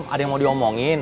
ada yang mau diomongin